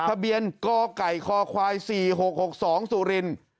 ทะเบียนกไก่คควาย๔๖๖๒สุรินทร์